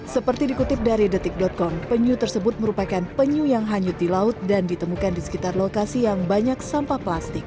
seperti dikutip dari detik com penyu tersebut merupakan penyu yang hanyut di laut dan ditemukan di sekitar lokasi yang banyak sampah plastik